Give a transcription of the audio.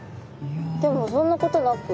でもそんなことなく。